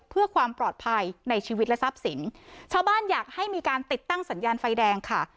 เพื่อความปลอดภัยในชีวิตและทรัพย์สินชาวบ้านอยากให้มีการติดตั้งสัญญาณไฟแดงค่ะ